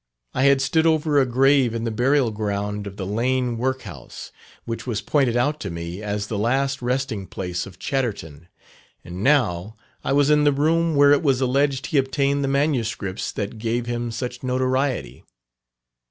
I had stood over a grave in the burial ground of the Lane Workhouse, which was pointed out to me as the last resting place of Chatterton; and now I was in the room where it was alleged he obtained the manuscripts that gave him such notoriety.